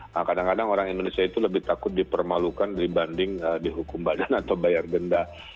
nah kadang kadang orang indonesia itu lebih takut dipermalukan dibanding dihukum badan atau bayar denda